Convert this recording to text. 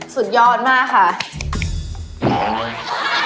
สุดยอดมากครับ